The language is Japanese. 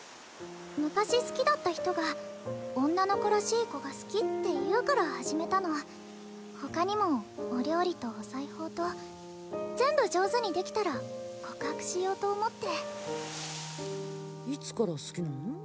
昔好きだった人が「女の子らしい子が好き」って言うから始めたの他にもお料理とお裁縫と全部上手にできたら告白しようと思っていつから好きなの？